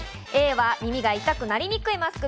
Ａは耳が痛くなりにくいマスク。